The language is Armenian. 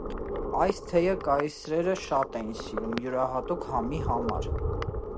Այս թեյը կայսրերը շատ էին սիրում յուրահատուկ համի համար։